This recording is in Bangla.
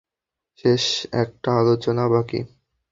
শেষ একটা আলোচনা বাকি।